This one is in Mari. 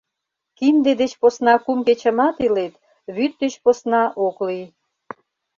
Кинде деч посна кум кечымат илет, вӱд деч посна ок лий.